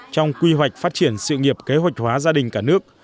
trong quy hoạch phát triển sự nghiệp kế hoạch hóa gia đình cả nước